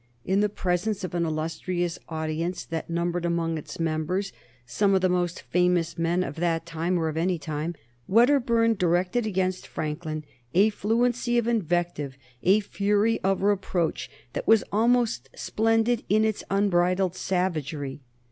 In the presence of an illustrious audience, that numbered among its members some of the most famous men of that time or of any time, Wedderburn directed against Franklin a fluency of invective, a fury of reproach that was almost splendid in its unbridled savagery.